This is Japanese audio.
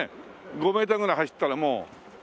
５メーターぐらい走ったらもう。